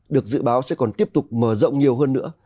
được dự báo sẽ còn tiếp tục mở rộng nhiều hơn nữa